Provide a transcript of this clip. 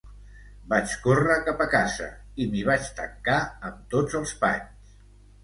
Vaig córrer cap a casa i m'hi vaig tancar, amb tots els panys.